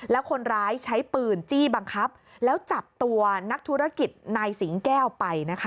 แล้วคนร้ายใช้ปืนจี้บังคับแล้วจับตัวนักธุรกิจนายสิงแก้วไปนะคะ